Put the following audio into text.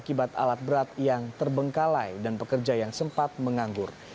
akibat alat berat yang terbengkalai dan pekerja yang sempat menganggur